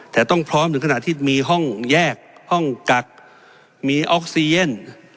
แต่ต้องพร้อมถึงขณะที่มีห้องแยกห้องกักมีออกซีเย็น